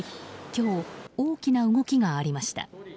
今日、大きな動きがありました。